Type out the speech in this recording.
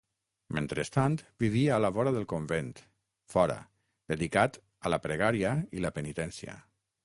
Mentrestant, vivia a la vora del convent, fora, dedicat a la pregària i la penitència.